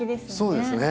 そうですね。